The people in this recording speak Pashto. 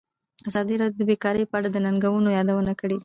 ازادي راډیو د بیکاري په اړه د ننګونو یادونه کړې.